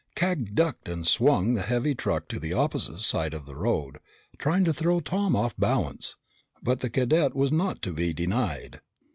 Cag ducked and swung the heavy truck to the opposite side of the road, trying to throw Tom off balance, but the cadet was not to be denied.